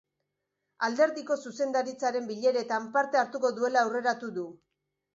Alderdiko zuzendaritzaren bileretan parte hartuko duela aurreratu du.